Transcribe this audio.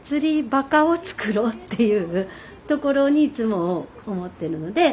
バカをつくろうっていうところにいつも思ってるので。